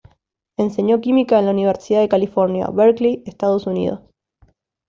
Enseñó química en la Universidad de California, Berkeley, Estados Unidos.